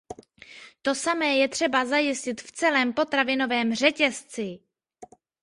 To samé je třeba zajistit v celém potravinovém řetězci.